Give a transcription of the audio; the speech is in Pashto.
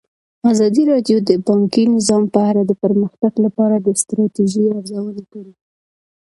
ازادي راډیو د بانکي نظام په اړه د پرمختګ لپاره د ستراتیژۍ ارزونه کړې.